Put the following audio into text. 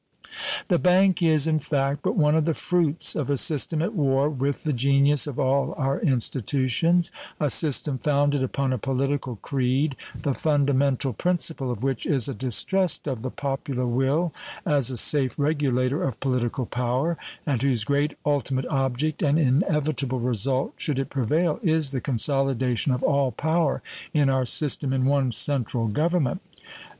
The bank is, in fact, but one of the fruits of a system at war with the genius of all our institutions a system founded upon a political creed the fundamental principle of which is a distrust of the popular will as a safe regulator of political power, and whose great ultimate object and inevitable result, should it prevail, is the consolidation of all power in our system in one central government.